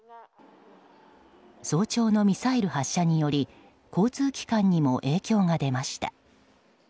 早朝のミサイル発射により交通機関にも影響が出ました。